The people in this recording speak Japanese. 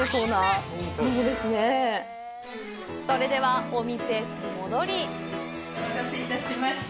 それでは、お店へと戻りお待たせいたしました。